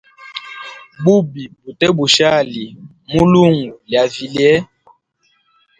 Bubi bute bushali mulungu lya vilye.